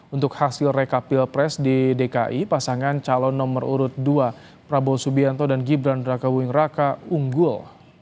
untuk hasil rekapil pres di dki pasangan calon nomor urut dua prabowo subianto dan gibran raka buming raka unggul